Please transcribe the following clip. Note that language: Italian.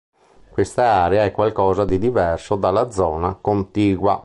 Questa area è qualcosa di diverso dalla zona contigua?